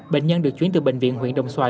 bệnh nhân được chuyển từ bệnh viện huyện đồng xoài